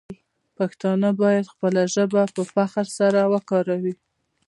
پښتانه باید خپله ژبه په فخر سره وکاروي.